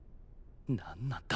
何なんだ